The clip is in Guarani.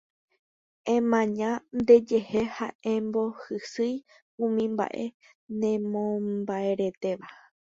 Emaña ndejehe ha embohysýi umi mba'e nemombaretéva